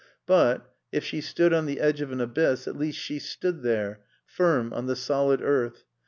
But, if she stood on the edge of an abyss, at least she stood there, firm on the solid earth.